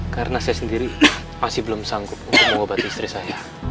karena saya sendiri masih belum sanggup mengobati istri saya